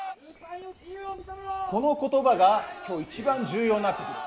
この言葉が今日一番重要になって来る。